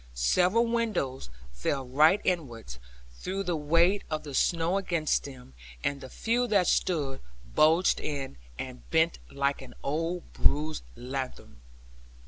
Several windows fell right inwards, through the weight of the snow against them; and the few that stood, bulged in, and bent like an old bruised lanthorn.